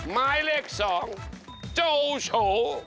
ไม้เล็กสองโจโฉ